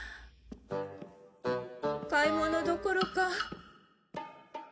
買い物どころか。